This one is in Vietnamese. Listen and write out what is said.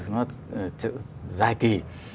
nó dài kỳ